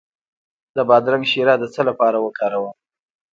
د بادرنګ شیره د څه لپاره وکاروم؟